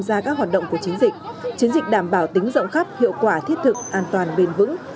gia các hoạt động của chiến dịch chiến dịch đảm bảo tính rộng khắp hiệu quả thiết thực an toàn bền vững